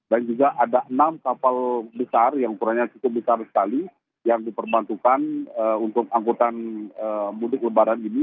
dan juga ada enam kapal besar yang ukurannya cukup besar sekali yang diperbantukan untuk angkutan mudik lebaran ini